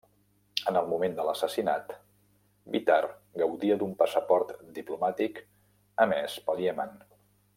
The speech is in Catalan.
En el moment de l'assassinat, Bitar gaudia d'un passaport diplomàtic emés pel Iemen.